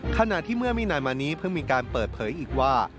ขณะที่เมื่อไม่นานมานี้เพิ่งมีการเปิดเผยอีกว่า